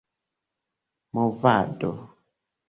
movado